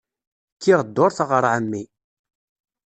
Kkiɣ dduṛt ɣer ɛemmi.